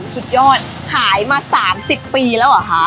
สุดยอดขายมา๓๐ปีแล้วเหรอคะ